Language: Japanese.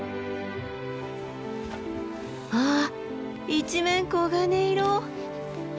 わあ一面黄金色！